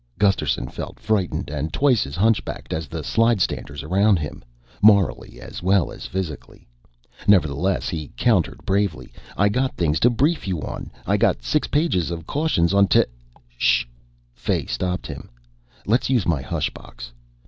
Gusterson felt frightened and twice as hunchbacked as the slidestanders around him morally as well as physically. Nevertheless he countered bravely, "I got things to brief you on. I got six pages of cautions on ti " "Shh!" Fay stopped him. "Let's use my hushbox."